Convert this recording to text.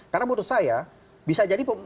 karena menurut saya bisa jadi